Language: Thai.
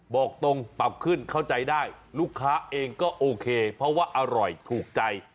บอกตรงปรับขึ้นเข้าใจได้ลูกค้าเองก็โอเคเพราะว่าอร่อยถูกใจ